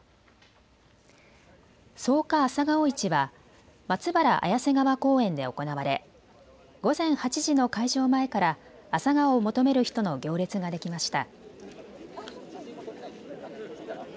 草加朝顔市はまつばら綾瀬川公園で行われ午前８時の開場前からアサガオを求める人の行列ができました。